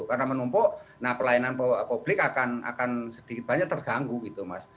karena menumpuk nah pelayanan publik akan sedikit banyak terganggu gitu mas